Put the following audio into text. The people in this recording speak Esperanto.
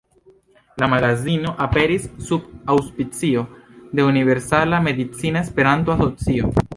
La magazino aperis sub aŭspicio de Universala Medicina Esperanto-Asocio.